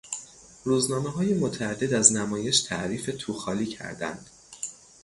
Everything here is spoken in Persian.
روزنامههای متعدد از نمایش تعریف توخالی کردند.